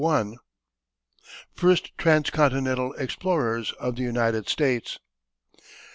FIRST TRANS CONTINENTAL EXPLORERS OF THE UNITED STATES.